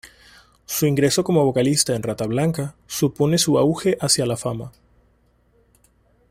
Su ingreso como vocalista en Rata Blanca suponen su auge hacia la fama.